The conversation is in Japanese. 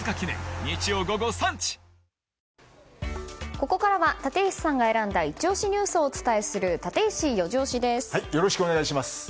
ここからは立石さんが選んだイチ推しニュースをお伝えするよろしくお願いします。